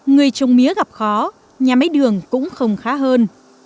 người trồng mía gặp khó nhà máy đường cũng không khá hơn